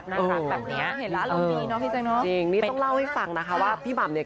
จริงนี่ต้องเล่าให้ฟังนะคะว่าพี่หมับเนี่ย